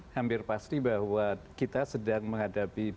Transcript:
hampir pasti bahwa kita sedang menghadapi